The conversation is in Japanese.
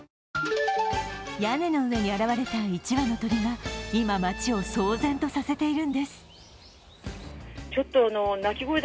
屋根の上に現れた１羽の鳥が今、町を騒然とさせているんです。